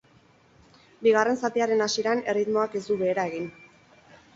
Bigarren zatiaren hasieran erritmoak ez du behera egin.